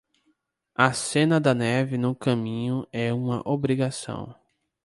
A cena da neve no caminho é uma obrigação